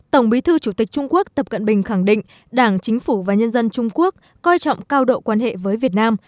tổng bí thư chủ tịch trung quốc tập cận bình khẳng định đảng chính phủ và nhân dân trung quốc coi trọng cao độ quan hệ với việt nam